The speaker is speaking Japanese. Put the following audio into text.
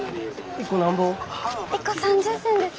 １個３０銭です。